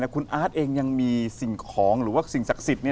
คุณอาร์ตเองยังมีสิ่งของหรือว่าสิ่งศักดิ์สิทธิ์